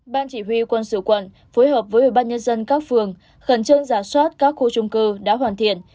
ban chỉ huy quân sự quận phối hợp với ủy ban nhân dân các phường khẩn trương giả soát các khu trung cư đã hoàn thiện